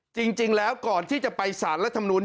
จริงแล้วก่อนที่จะไปสารรัฐมนุน